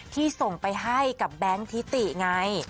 ที่ส่งไปให้กับแบงค์ทิติไง